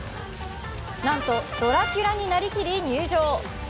なんとドラキュラになりきり、入場。